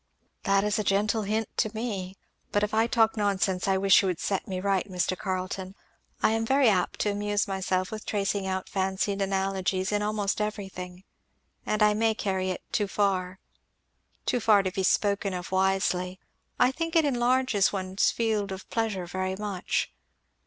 "That is a gentle hint to me. But if I talk nonsense I wish you would set me right, Mr. Carleton; I am very apt to amuse myself with tracing out fancied analogies in almost everything, and I may carry it too far too far to be spoken of wisely. I think it enlarges one's field of pleasure very much.